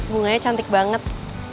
bunganya cantik banget